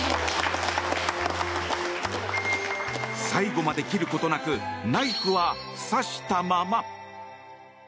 最後まで切ることなくナイフは刺したまま。